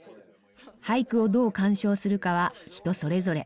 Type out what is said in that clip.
俳句をどう鑑賞するかは人それぞれ。